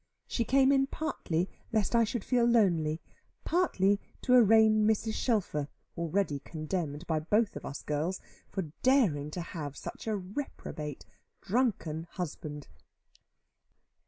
She came in partly lest I should feel lonely, partly to arraign Mrs. Shelfer (already condemned by both of us girls) for daring to have such a reprobate drunken husband.